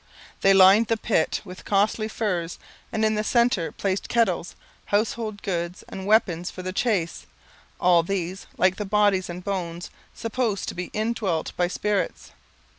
They lined the pit with costly furs and in the centre placed kettles, household goods, and weapons for the chase, all these, like the bodies and bones, supposed to be indwelt by spirits.